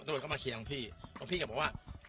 ตำรวจก็มาเคียงหลังพี่หลังพี่ก็บอกว่า